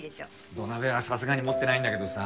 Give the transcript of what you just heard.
土鍋はさすがに持ってないんだけどさ。